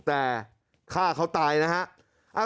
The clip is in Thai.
แต่ฆ่าเขาตายนะฮะ